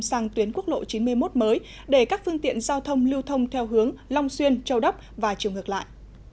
sang tuyến quốc lộ chín mươi một mới để các phương tiện giao thông lưu thông theo hướng long xuyên châu đắp và chiều ngược lại